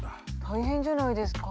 大変じゃないですか。